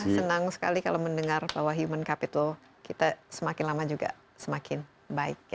senang sekali kalau mendengar bahwa human capital kita semakin lama juga semakin baik